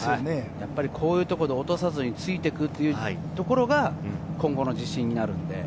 こういうところで落とさずについていくというところが今後の自信になるので。